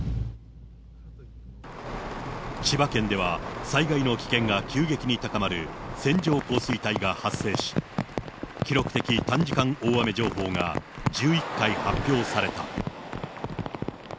千葉県では、災害の危険が急激に高まる線状降水帯が発生し、記録的短時間大雨情報が１１回発表された。